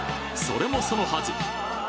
それもそのはず